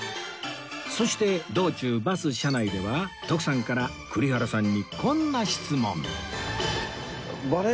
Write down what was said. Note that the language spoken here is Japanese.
そして道中バス車内では徳さんから栗原さんにこんな質問